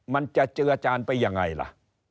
มันจะเจือจานไปยังไงล่ะ